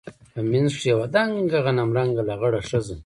په منځ کښې يوه دنګه غنم رنګه لغړه ښځه.